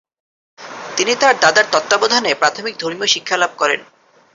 তিনি তার দাদার তত্ত্বাবধানে প্রাথমিক ধর্মীয় শিক্ষালাভ করেন।